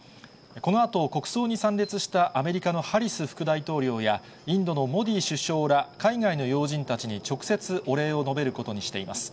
このあと、国葬に参列したアメリカのハリス副大統領や、インドのモディ首相ら、海外の要人たちに直接お礼を述べることにしています。